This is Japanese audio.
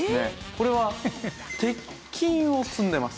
これは鉄筋を積んでます。